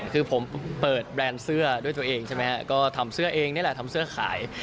คือผมเปิดแบรนด์เสื้อด้วยตัวเองใช่ไหมฮะก็ทำเสื้อเองนี่แหละทำเสื้อขาย